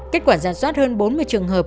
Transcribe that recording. kết quả giả soát hơn bốn mươi trường hợp